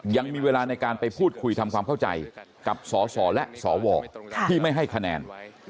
ยังมีเวลาในการไปพูดคุยทำความเข้าใจกับสสและสวที่ไม่ให้คะแนน